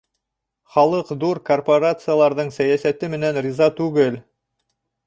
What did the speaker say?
Халыҡ ҙур корпорацияларҙың сәйәсәте менән риза түгел